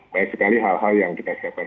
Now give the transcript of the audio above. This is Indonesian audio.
banyak sekali hal hal yang kita siapkan